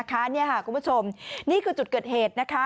คุณผู้ชมนี่คือจุดเกิดเหตุนะคะ